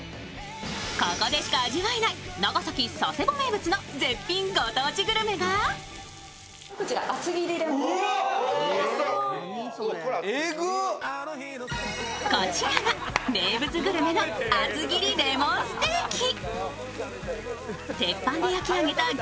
ここでしか味わえない長崎・佐世保名物の絶品グルメがこちらが名物グルメの厚切りレモンステーキ。